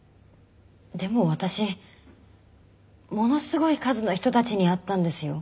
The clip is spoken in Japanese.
でも私ものすごい数の人たちに会ったんですよ。